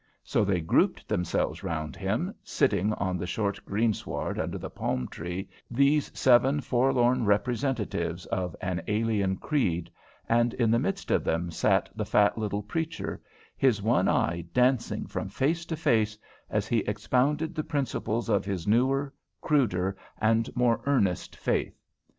So they grouped themselves round him, sitting on the short green sward under the palm tree, these seven forlorn representatives of an alien creed, and in the midst of them sat the fat little preacher, his one eye dancing from face to face as he expounded the principles of his newer, cruder, and more earnest faith.